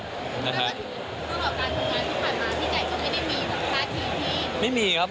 แล้วก็ถือว่าการทำงานที่ผ่านมาพี่ไก่ก็ไม่ได้มีสักทีที่